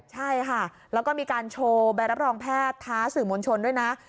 ใช่ค่ะแล้วก็มีการโชว์ใบรับรองแพทย์ท้าสื่อมวลชนด้วยนะ